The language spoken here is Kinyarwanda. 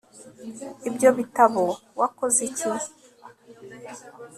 ibyo bitabo wakoze iki